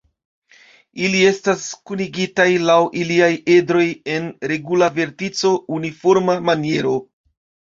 Ili estas kunigitaj laŭ iliaj edroj en regula vertico-uniforma maniero.